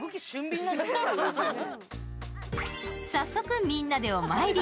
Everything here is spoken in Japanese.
早速、みんなでお参り。